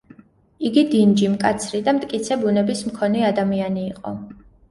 იგი დინჯი, მკაცრი და მტკიცე ბუნების მქონე ადამიანი იყო.